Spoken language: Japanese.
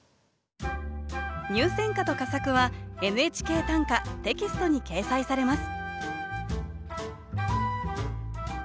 入選歌と佳作は「ＮＨＫ短歌」テキストに掲載されます